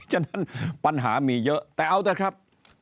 ฉะนั้นปัญหามีเยอะแต่เอาเถอะครับ